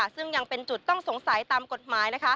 ซึ่งยังเป็นจุดต้องสงสัยตามกฎหมาย